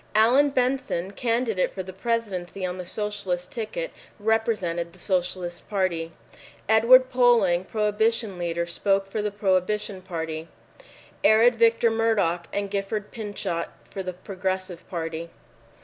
Allan Benson, candidate for the Presidency on the Socialist ticket, represented the Socialist Party. Edward Polling, Prohibition leader, spoke for the Prohibition Party, arid Victor Murdock and Gifford Pinchot for The Progressive Party.